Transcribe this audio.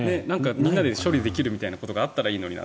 みんなで処理できるみたいなことがあったらいいのになと。